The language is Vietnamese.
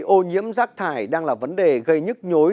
ô nhiễm rác thải đang là vấn đề gây nhức nhối